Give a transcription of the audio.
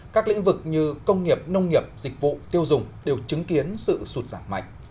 các lĩnh vực như công nghiệp nông nghiệp dịch vụ tiêu dùng đều chứng kiến sự sụt giảm mạnh